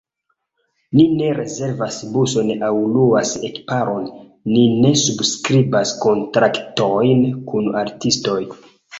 Ni ne rezervas busojn aŭ luas ekiparon, ni ne subskribas kontraktojn kun artistoj.